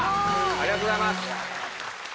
ありがとうございます！